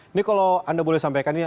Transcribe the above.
ini kalau anda boleh sampaikan ini